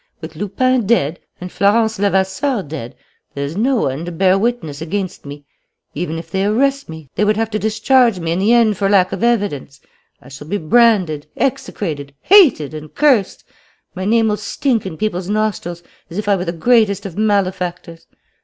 With Lupin dead, and Florence Levasseur dead, there's no one to bear witness against me. Even if they arrested me, they would have to discharge me in the end for lack of evidence. I shall be branded, execrated, hated, and cursed; my name will stink in people's nostrils, as if I were the greatest of malefactors.